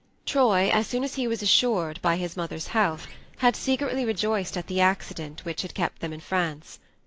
Troy, as soon as he was reassured about his mother's health, had secretly rejoiced at the accident which had kept them in France.